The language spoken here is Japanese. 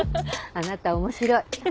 あなた面白い。